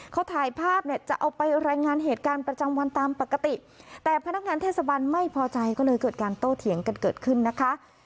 เขาถ่ายภาพเนี่ยจะเอาไปรายงานเหตุการณ์ประจำวันตามปกติแต่พนักงานเทศบาลไม่พอใจก็เลยเกิดการโต้เถียงกันเกิดขึ้นนะคะ